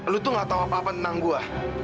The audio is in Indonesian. lu tuh gak tau apa apa tentang gue